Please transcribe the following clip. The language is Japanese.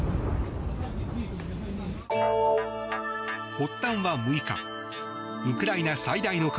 発端は６日ウクライナ最大の川